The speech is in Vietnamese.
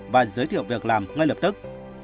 và giới thiệu việc làm ngay lập tức